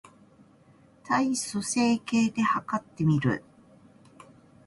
体組成計で計ってみる